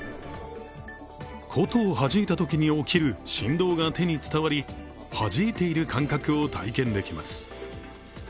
琴をはじいたときに起きる振動が手に伝わり、はじいている感覚を体験できます。